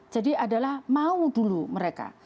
jadi adalah mau dulu mereka